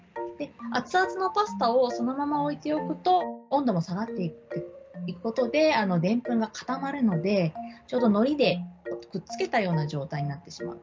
熱々のパスタをそのまま置いておくと温度も下がっていくことででんぷんが固まるのでちょうど、のりでくっつけたような状態になってしまう。